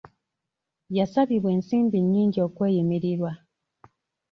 Yasabibwa ensimbi nnyingi okweyimirirwa.